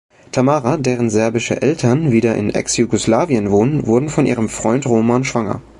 Tamara, deren serbische Eltern wieder in Ex-Jugoslawien wohnen, wurde von ihrem Freund Roman schwanger.